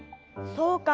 そうか。